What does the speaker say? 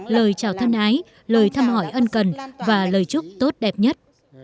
lời chào thân ái lời thăm hỏi ân cần và lời chúc tốt đẹp nhất